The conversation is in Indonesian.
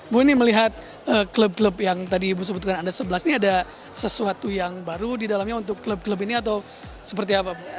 bu ini melihat klub klub yang tadi ibu sebutkan anda sebelas ini ada sesuatu yang baru di dalamnya untuk klub klub ini atau seperti apa